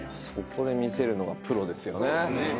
そこで見せるのがプロですよね。